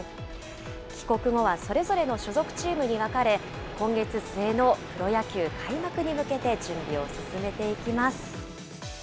帰国後はそれぞれの所属チームに分かれ、今月末のプロ野球開幕に向けて準備を進めていきます。